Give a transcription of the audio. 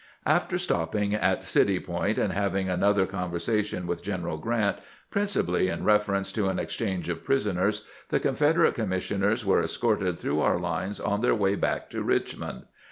After stopping at City Point and having another con versation with Greneral Grant, principally in reference to an exchange of prisoners, the Confederate commis sioners were escorted through our lines on their way back to Richmond.